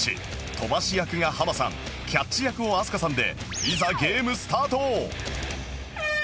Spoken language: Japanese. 飛ばし役がハマさんキャッチ役を飛鳥さんでいざゲームスタート！